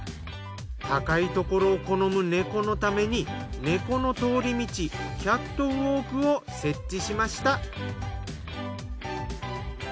高いところを好む猫のために猫の通り道キャットウォークを設置しました。